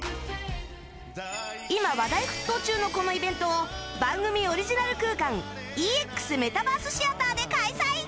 今話題沸騰中のこのイベントを番組オリジナル空間 ＥＸ メタバースシアターで開催